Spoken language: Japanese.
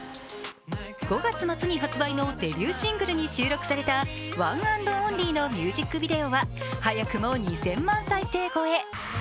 ５月末に発売のデビューシングルに収録された「ＯｎｅａｎｄＯｎｌｙ」のミュージックビデオは早くも２０００万再生超え。